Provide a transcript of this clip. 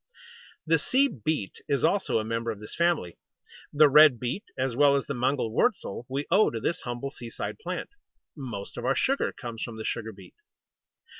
The Sea Beet is also a member of this family. The Red Beet, as well as the Mangel wurzel, we owe to this humble seaside plant. Most of our sugar comes from the Sugar beet.